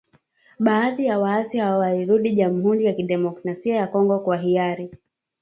Baadhi ya waasi hao walirudi Jamhuri ya kidemokrasia ya Kongo kwa hiari.